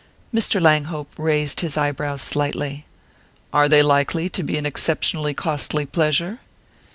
Mr. Langhope raised his eyebrows slightly. "Are they likely to be an exceptionally costly pleasure?"